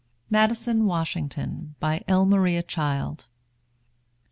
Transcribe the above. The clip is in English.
MADISON WASHINGTON. BY L. MARIA CHILD.